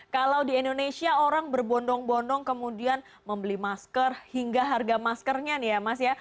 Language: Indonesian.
kalau di indonesia orang berbondong bondong kemudian membeli masker hingga harga maskernya nih ya mas ya